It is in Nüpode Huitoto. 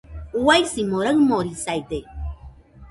Uaisimo raɨmorisaide